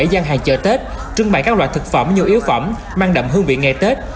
bảy gian hàng chợ tết trưng bày các loại thực phẩm nhu yếu phẩm mang đậm hương vị ngày tết